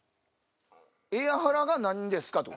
エアハラが何ですか？とか。